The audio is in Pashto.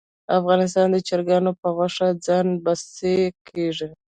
افغانستان د چرګانو په غوښه ځان بسیا کیږي